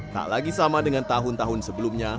tak lagi sama dengan tahun tahun sebelumnya